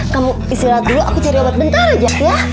kamu istilah dulu aku cari obat bentar aja ya